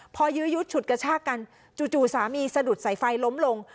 พอยื้อยุดฉุดกระชากกันจู่สามีสะดุดสายไฟล้มลง